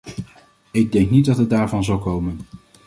Ik denk niet dat het daarvan zal komen.